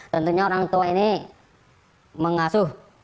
tentunya orang tua ini mengasuh